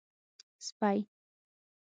🐕 سپۍ